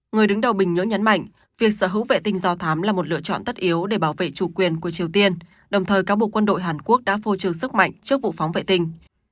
người đứng đầu bình nhưỡng nhấn mạnh việc sở hữu vệ tinh do thám là một lựa chọn tất yếu để bảo vệ chủ quyền của triều tiên đồng thời cáo buộc quân đội hàn quốc đã phô trừ sức mạnh trước vụ phóng vệ tinh